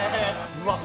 うわっ！